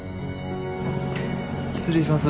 失礼します。